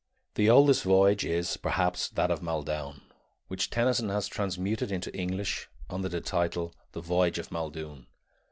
The oldest voyage is, perhaps, that of Maelduin, which, Tennyson has transmuted into English under the title The Voyage of Maeldune.